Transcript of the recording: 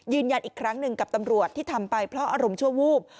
ยืนยันอีกครั้งหนึ่งกับตำรวจที่ทำไปเพราะอารมณ์ชั่ววูบ